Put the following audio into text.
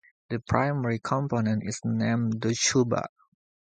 The primary component is named Dschubba.